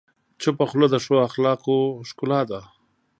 چپه خوله، د ښه اخلاقو ښکلا ده.